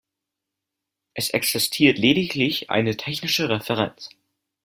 Es existiert lediglich eine technische Referenz.